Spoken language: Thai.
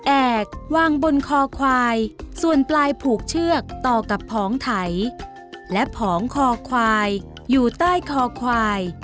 แอบวางบนคอควายส่วนปลายผูกเชือกต่อกับผองไถและผองคอควายอยู่ใต้คอควาย